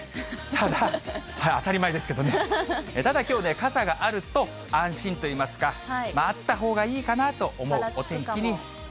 ただ、当たり前ですけどね、ただきょうね、傘があると安心といいますか、あったほうがいいかなと思うお天気に。